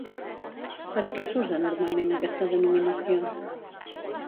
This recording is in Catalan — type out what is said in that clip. Per a què s'usa normalment aquesta denominació?